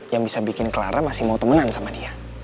yang bisa bikin clara masih mau temenan sama dia